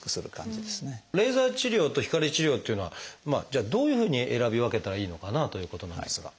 レーザー治療と光治療っていうのはじゃあどういうふうに選び分けたらいいのかなということなんですが。